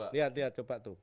lihat lihat coba tuh